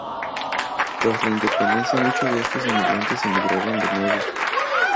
Tras la independencia, muchos de estos inmigrantes emigraron de nuevo.